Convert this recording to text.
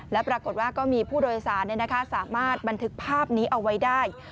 และปรากฏว่าก็มีผู้โดยสารสามารถบันทึกภาพนี้เอาไว้ได้